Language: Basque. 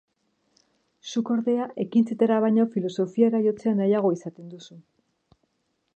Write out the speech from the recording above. Zuk, ordea, ekintzetara baino filosofiara jotzea nahiago izaten duzu.